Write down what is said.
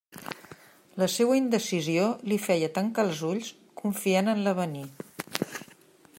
La seua indecisió li feia tancar els ulls, confiant en l'avenir.